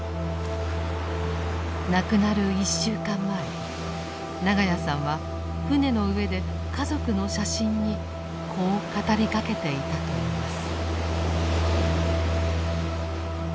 亡くなる１週間前長屋さんは船の上で家族の写真にこう語りかけていたといいます。